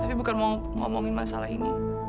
tapi bukan mau ngomongin masalah ini